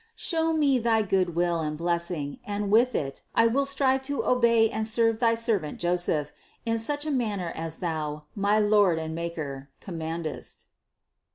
Show me thy good will and blessing and with it I will strive to obey and serve thy servant Joseph, in such a manner as Thou, my Lord and Maker, com mandest."